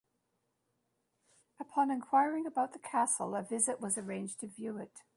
Upon enquiring about the castle, a visit was arranged to view it.